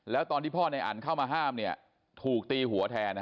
แล้วตอนที่พ่อในอันเข้ามาห้ามถูกตีหัวแทน